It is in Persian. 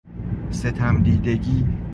ستم دیدگی